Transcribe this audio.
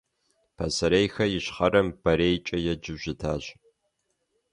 Пасэрейхэр ищхъэрэм БорейкӀэ еджэу щытащ.